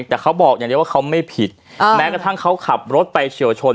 แต่เขาบอกอย่างเดียวว่าเขาไม่ผิดแม้กระทั่งเขาขับรถไปเฉียวชน